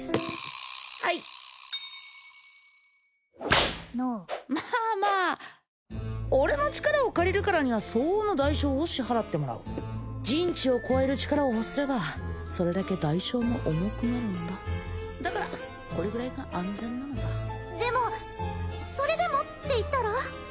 はいＮＯまあまあ俺の力を借りるからには相応の代償を支払ってもらう人知を超える力を欲すればそれだけ代償も重くなるんだだからこれぐらいが安全なのさでもそれでもって言ったら？